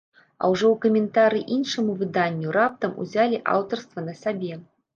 А ўжо ў каментарыі іншаму выданню раптам узялі аўтарства на сабе.